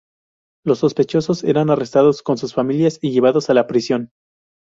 Los sospechosos eran arrestados con sus familias y llevados a la prisión.